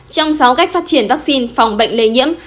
trong sáu cách phát triển vaccine phòng bệnh lây nhiễm